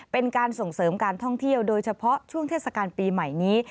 เป็นการส่งเสริมการท่องเที่ยวโดยเฉพาะช่วงเทศกาลปีใหม่นี้